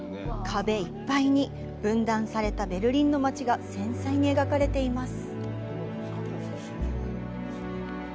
壁いっぱいに分断されたベルリンの街が繊細に描かれています。